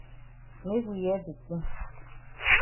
Make we hear de tin.